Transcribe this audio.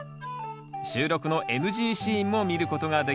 収録のＮＧシーンも見ることができますよ。